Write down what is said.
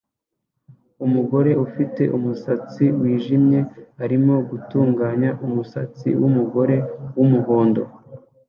Umugore ufite umusatsi wijimye arimo gutunganya umusatsi wumugore wumuhondo